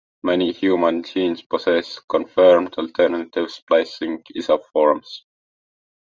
Many human genes possess confirmed alternative splicing isoforms.